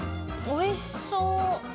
おいしそう。